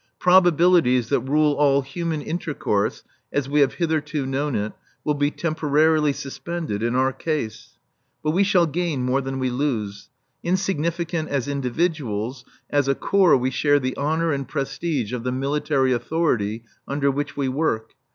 Probabilities that rule all human intercourse, as we have hitherto known it, will be temporarily suspended in our case. But we shall gain more than we lose. Insignificant as individuals, as a corps we share the honour and prestige of the Military Authority under which we work.